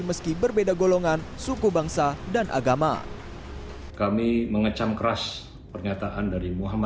meski berbeda golongan suku bangsa dan agama